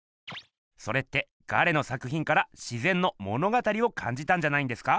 それってガレの作ひんから「自ぜんの物語」をかんじたんじゃないんですか？